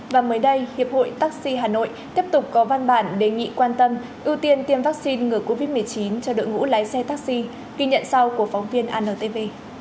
và mới đây hiệp hội taxi hà nội tiếp tục có văn bản đề nghị quan tâm ưu tiên tiêm vaccine ngừa covid một mươi chín cho đội ngũ lái xe taxi ghi nhận sau của phóng viên antv